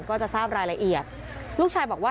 ก็จะทราบรายละเอียดลูกชายบอกว่า